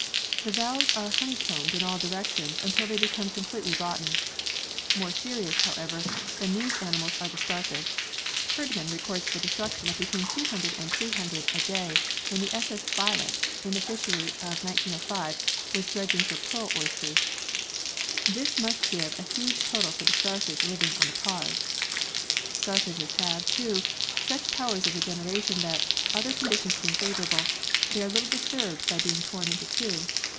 The valves are honeycombed in all directions until they become completely rotten. More serious, however, than these animals are the starfish. Herdman records the destruction of be tween 200 and 300 a day when the s.s. Violet, in the fishery of 1905, was dredging for pearl oysters. This must give a huge total for the starfish living on the paars. Starfishes have, too, such powers of regeneration that, other conditions being favourable, they are little disturbed by being torn into two.